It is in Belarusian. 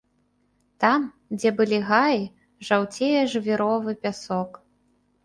Там, дзе былі гаі, жаўцее жвіровы пясок.